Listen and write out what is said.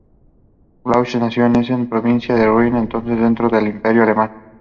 Blücher nació en Essen, provincia del Rin, entonces dentro del Imperio Alemán.